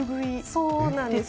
そうなんです。